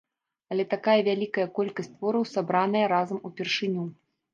Але такая вялікая колькасць твораў сабраная разам упершыню.